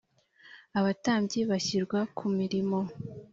abatambyi bashyirwa ku mirimo